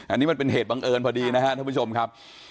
อันนี้มันเป็นเหตุบังเอิญพอดีนะครับท่านผู้ชมครับ